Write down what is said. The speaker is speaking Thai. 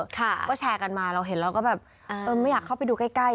ก็แชร์กันมาเราเห็นเราก็แบบเออไม่อยากเข้าไปดูใกล้